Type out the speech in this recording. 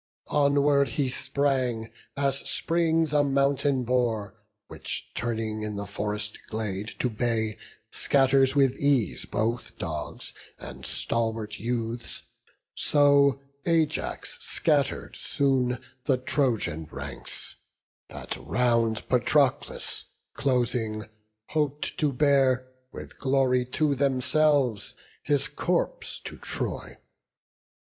Onward he sprang, as springs a mountain boar, Which, turning in the forest glade to bay, Scatters with ease both dogs and stalwart youths; So Ajax scatter'd soon the Trojan ranks, That round Patroclus closing, hop'd to bear, With glory to themselves, his corpse to Troy.